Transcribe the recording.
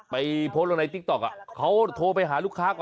ไปโพสต์ลงในติ๊กต็อก